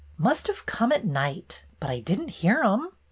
"Must've come at night. But I didn't hear 'em."